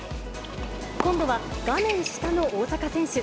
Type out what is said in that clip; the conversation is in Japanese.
今度は画面下の大坂選手。